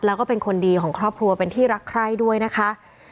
แล้วก็เป็นคนดีของครอบครัวเป็นที่รักใคร่ด้วยนะคะ